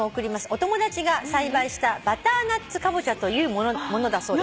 お友達が栽培したバターナッツカボチャというものだそうです」